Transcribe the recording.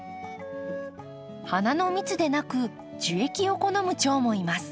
花の蜜でなく樹液を好むチョウもいます。